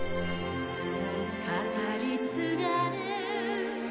「語り継がれ」